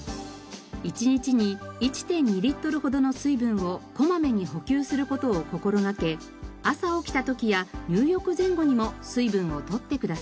１日に１．２リットルほどの水分をこまめに補給する事を心がけ朝起きた時や入浴前後にも水分を取ってください。